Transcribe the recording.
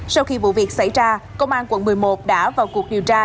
sau khi vụ việc xảy ra công an quận một mươi một đã vào cuộc điều tra